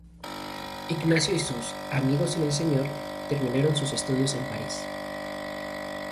Ignacio y sus "amigos en el Señor" terminaron sus estudios en París.